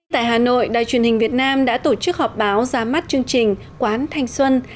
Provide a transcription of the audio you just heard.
tại hà nội đài truyền hình việt nam đã tổ chức họp báo ra mắt chương trình quán thanh xuân